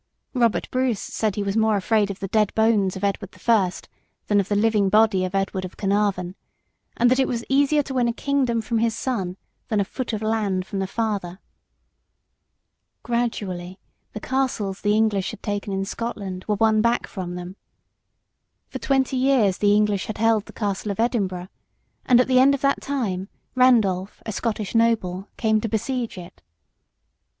Robert Bruce said he was more afraid of the dead bones of Edward the First than of the living body of Edward of Caernarvon, and that it was easier to win a kingdom from his son than a foot of land from the father. Gradually the castles the English had taken in Scotland were won back from them. For twenty years the English had held the Castle of Edinburgh, and at the end of that time, Randolph, a Scottish noble, came to besiege it.